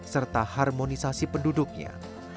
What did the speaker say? serta harmonisasi penduduknya